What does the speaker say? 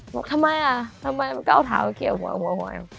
บอกทำไมอะทำไมมันก็เอาเท้าเขียวหัวหัวหัวหัว